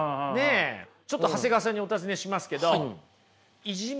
ちょっと長谷川さんにお尋ねしますけどいじめをね